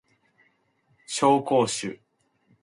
紹興酒